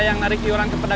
gang kaki keturung beneran